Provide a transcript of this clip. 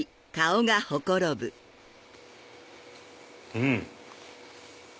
うん！